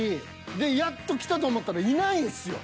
でやっと来たと思ったらいないんですよ。